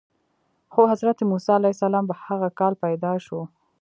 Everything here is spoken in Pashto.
خو حضرت موسی علیه السلام په هغه کال پیدا شو.